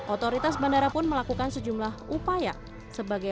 otoritas bandara pun melakukan sejumlah upaya sebagai